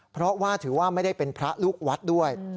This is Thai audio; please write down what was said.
เพราะว่าถือว่าไม่ได้เป็นพระลูกวัดด้วย